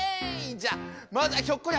じゃあまずはひょっこりはんね